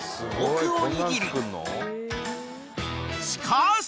［しかし］